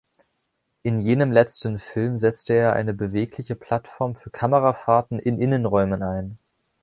In jenem letzten Film setzte er eine bewegliche Plattform für Kamerafahrten in Innenräumen ein.